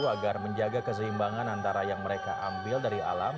agar menjaga keseimbangan antara yang mereka ambil dari alam